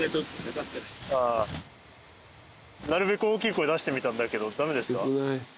なるべく大きい声出してみたんだけど駄目ですか？